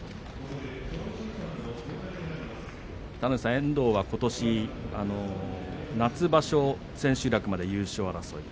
遠藤はことし夏場所、千秋楽まで優勝争い